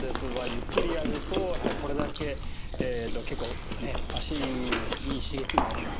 ゆっくりやるとやっぱこれだけ結構ね足のいい刺激になります。